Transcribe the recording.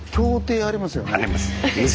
あります。